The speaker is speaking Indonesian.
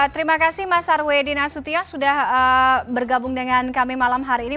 terima kasih mas arwedi nasution sudah bergabung dengan kami malam hari ini